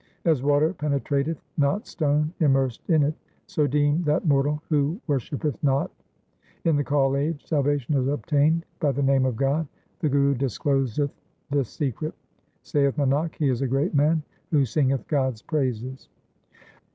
As water penetrateth not stone immersed in it, So deem that mortal who worshippeth not. 1 In the Kal age salvation is obtained by the name of God ; the Guru discloseth this secret. Saith Nanak, he is a great man who singeth God's praises.